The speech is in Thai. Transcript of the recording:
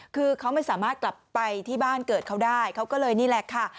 คือเขาไม่สามารถกลับไปที่บ้านเกิดเขาได้เขาก็เลยนี่แหละค่ะ